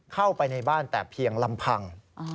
เข้าไปในบ้านแต่เพียงลำพัง